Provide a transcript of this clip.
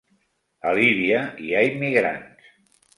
A Líbia hi ha immigrants